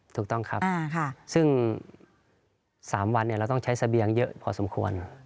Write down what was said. ถูกต้องครับซึ่ง๓วันเราต้องใช้เสบียงเยอะพอสมควร